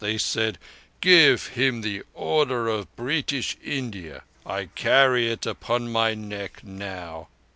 They said: 'Give him the Order of Berittish India.' I carry it upon my neck now.